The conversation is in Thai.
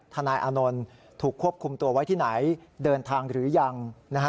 นายอานนท์ถูกควบคุมตัวไว้ที่ไหนเดินทางหรือยัง